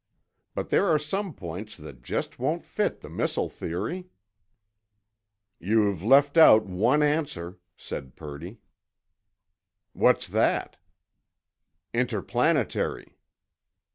But there are some points that just won't fit the missile theory." "You've left out one answer," said Purdy. "What's that?" "Interplanetary."